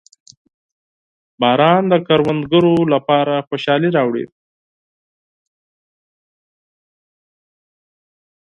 • باران د کروندګرو لپاره خوشحالي راوړي.